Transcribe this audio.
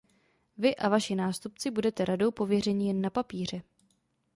Vy a vaši nástupci budete Radou pověřeni jen na papíře.